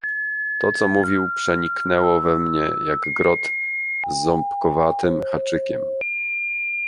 "To co mówił przeniknęło we mnie, jak grot z ząbkowatym haczykiem."